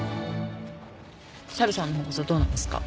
猿さんの方こそどうなんですか？